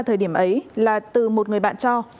thời điểm ấy là từ một người bạn cho